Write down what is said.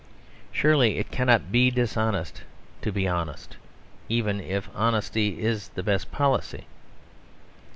Surely it cannot be dishonest to be honest even if honesty is the best policy.